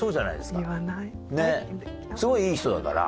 すごいいい人だから。